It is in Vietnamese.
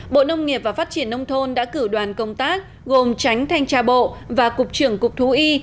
bộ nông nghiệp và phát triển nông thôn đã cử đoàn công tác gồm tránh thanh tra bộ và cục trưởng cục thú y